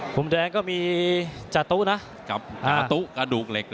ผมแดงก็มีจาดตู้นะครับอ่าจาดตู้กระดูกเหล็กเลยครับ